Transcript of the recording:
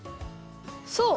そう。